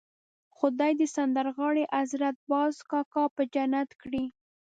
خدای دې سندرغاړی حضرت باز کاکا په جنت کړي.